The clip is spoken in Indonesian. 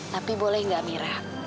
tapi boleh gak amira